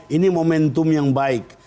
ini momentum yang baik